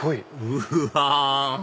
うわ！